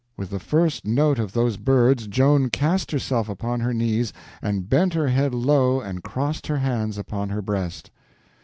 With the first note of those birds Joan cast herself upon her knees, and bent her head low and crossed her hands upon her breast.